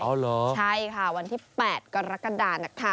ใช่ค่ะวันที่๘กรกฎานะคะ